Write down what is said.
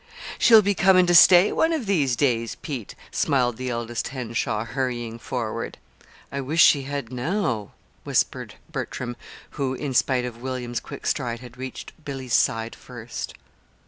"She'll be coming to stay, one of these days, Pete," smiled the eldest Henshaw, hurrying forward. "I wish she had now," whispered Bertram, who, in spite of William's quick stride, had reached Billy's side first.